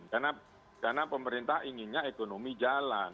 karena pemerintah inginnya ekonomi jalan